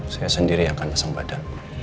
saya sendiri akan pasang badan